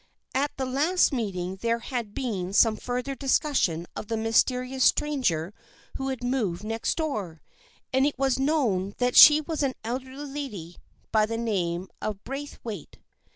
At the last meeting there had been some further discussion of the mysterious stranger who had moved next door, and it was known that she was an elderly lady by the name of Braithwaite.